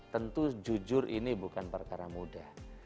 tentu jujur ini bukan perkara mudah